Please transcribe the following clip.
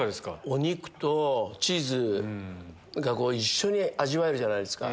お肉とチーズが一緒に味わえるじゃないですか。